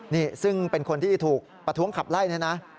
นี่ซึ่งเป็นคนที่ถูกประท้วงขับไล่เนี่ยนะ